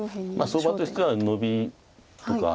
相場としてはノビとか。